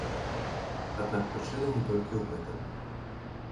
Аднак прычына не толькі ў гэтым.